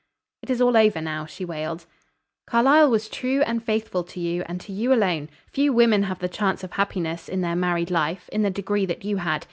"It is all over now," she wailed. "Carlyle was true and faithful to you, and to you alone. Few women have the chance of happiness, in their married life, in the degree that you had.